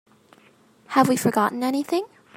Have we forgotten anything?